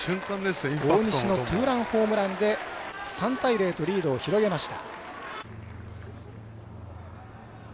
大西のツーランホームランで３対０とリードを広げました。